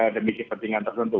demi kepentingan tertentu